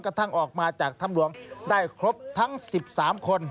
ทั้งออกมาจากถ้ำหลวงได้ครบทั้ง๑๓คน